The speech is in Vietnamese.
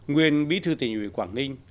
nguyên bí thư tỉnh ủy quảng ninh